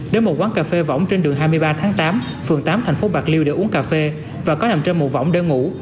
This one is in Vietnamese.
đến một quán cà phê vỏng trên đường hai mươi ba tháng tám phường tám thành phố bạc liêu để uống cà phê và có nằm trên một vỏng để ngủ